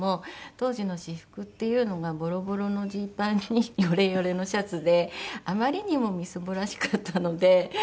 当時の私服っていうのがボロボロのジーパンにヨレヨレのシャツであまりにもみすぼらしかったので。